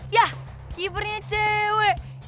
yah keepernya cewek